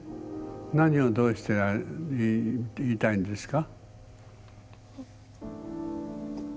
何をどうして言いたいんですか？